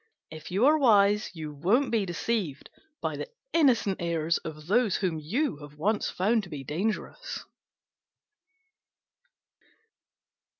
If you are wise you won't be deceived by the innocent airs of those whom you have once found to be dangerous.